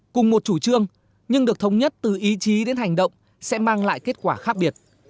cùng một chủ trương nhưng được thống nhất từ ý chí đến hành động sẽ mang lại kết quả khác biệt